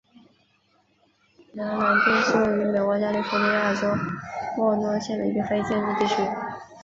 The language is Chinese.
南兰丁是位于美国加利福尼亚州莫诺县的一个非建制地区。